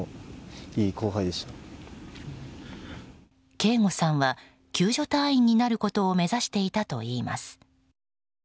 啓吾さんは救助隊員になることを目指していたといいます。